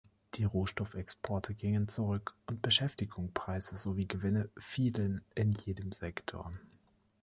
Die Rohstoffexporte gingen zurück und Beschäftigung, Preise sowie Gewinne fielen in jedem Sektor.